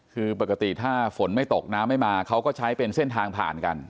คือปกติถ้าฝนไม่ตกน้ำไม่มาเขาก็ใช้เป็นเส้นทางผ่านกัน